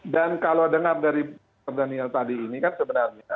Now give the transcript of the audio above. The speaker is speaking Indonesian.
dan kalau dengar dari pak daniel tadi ini kan sebenarnya